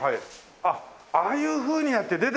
あっああいうふうにやって出てくるんだもう。